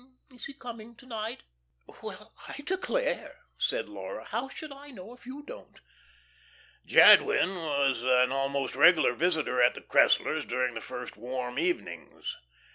Is he coming to night?" "Well I declare," said Laura. "How should I know, if you don't?" Jadwin was an almost regular visitor at the Cresslers' during the first warm evenings.